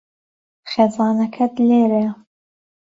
خێزانەکەت لێرەیە.